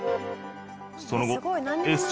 その後Ｓ状